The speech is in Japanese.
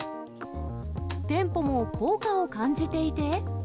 店舗も効果を感じていて。